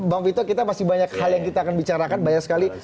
bang vito kita masih banyak hal yang kita akan bicarakan banyak sekali